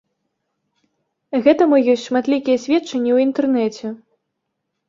Гэтаму ёсць шматлікія сведчанні ў інтэрнэце.